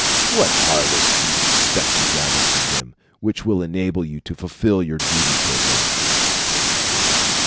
What harvest do you expect to gather from them which will enable you to fulfil your duty toward her?